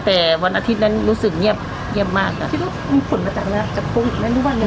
แต่วันอาทิตย์นั้นรู้สึกเงียบเงียบมากอ่ะคิดว่ามีผลมาจากนั้น